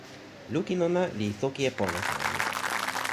lukin ona li toki e pona tawa mi.